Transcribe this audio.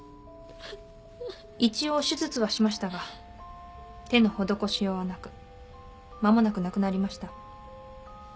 一応手術はしましたが手の施しようはなく間もなく亡くなりました。